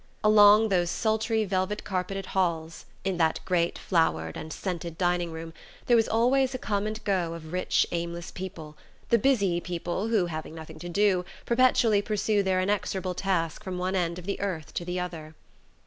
Along those sultry velvet carpeted halls, in that great flowered and scented dining room, there was always a come and go of rich aimless people, the busy people who, having nothing to do, perpetually pursue their inexorable task from one end of the earth to the other.